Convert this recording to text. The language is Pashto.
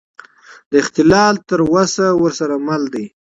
دا اختلال تر اوسه ورسره مل دی.